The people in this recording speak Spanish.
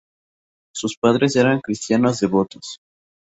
Sus padres eran cristianos devotos.